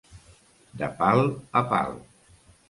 De pal a pal.